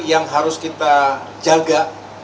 yang harus kita jaga